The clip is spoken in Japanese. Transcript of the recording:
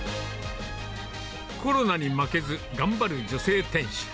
コロナに負けず頑張る女性店主。